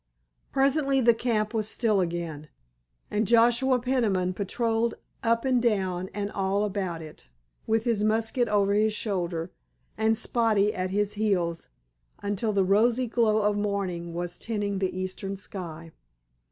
Presently the camp was still again, and Joshua Peniman patrolled up and down and all about it, with his musket over his shoulder and Spotty at his heels until the rosy glow of morning was tinting the eastern sky.